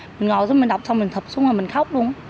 mình ngồi xuống mình đọc xong mình thụp xuống rồi mình khóc luôn